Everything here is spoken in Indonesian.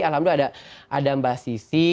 alhamdulillah ada mbak sisi